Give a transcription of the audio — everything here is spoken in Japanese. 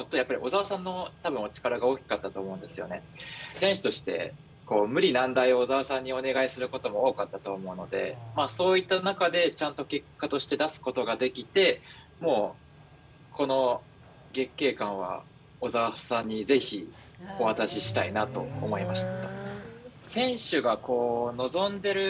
選手として無理難題を小澤さんにお願いすることも多かったと思うのでそういった中でちゃんと結果として出すことができてもうこの月桂冠は小澤さんにぜひお渡ししたいなと思いました。